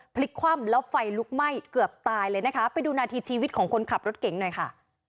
พลิกคว่ำแล้วไฟลุกไหม้เกือบตายเลยนะคะไปดูนาทีชีวิตของคนขับรถเก๋งหน่อยค่ะ